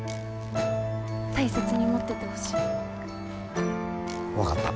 大切に持っててほしい。分かった。